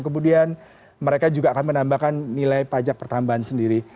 kemudian mereka juga akan menambahkan nilai pajak pertambahan sendiri